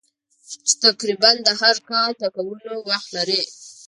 چې تقریباً د هر کار د کولو وخت لرې.